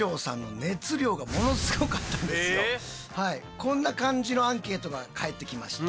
こんな感じのアンケートが返ってきました。